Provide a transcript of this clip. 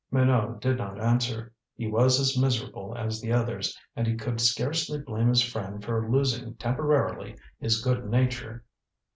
Minot did not answer. He was as miserable as the others, and he could scarcely blame his friend for losing temporarily his good nature.